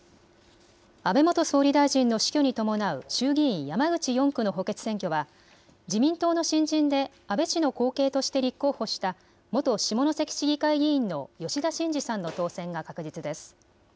安倍元総理大臣の死去に伴う衆議院山口４区の補欠選挙は自民党の新人で安倍氏の後継として立候補した元下関市議会議員の吉田真次さんの当選が確実です。